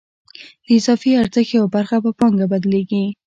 د اضافي ارزښت یوه برخه په پانګه بدلېږي